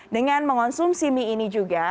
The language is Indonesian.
dengan mengonsumsi mie ini juga